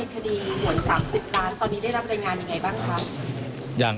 ความคลึกหน้าในคดีหมด๓๐ล้าน